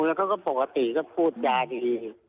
แล้วก็ปกติก็พูดยาดี